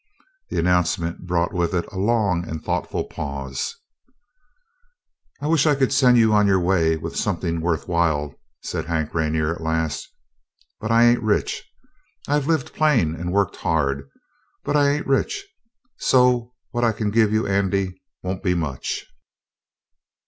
The announcement brought with it a long and thoughtful pause. "I wisht I could send you on your way with somethin' worthwhile," said Hank Rainer at length. "But I ain't rich. I've lived plain and worked hard, but I ain't rich. So what I can give you, Andy, won't be much."